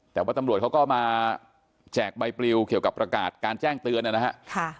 แต่ว่าตำรวจเขาก็มาแจกใบปลิวเกี่ยวกับประกาศการแจ้งเตือนนะครับ